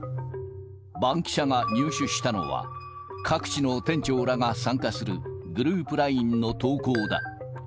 バンキシャが入手したのは、各地の店長らが参加するグループＬＩＮＥの投稿だ。